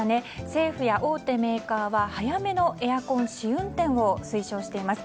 政府や大手メーカーは早めのエアコン試運転を推奨しています。